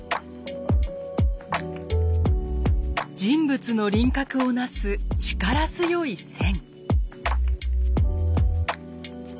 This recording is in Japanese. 人物の輪郭を成す力強い線。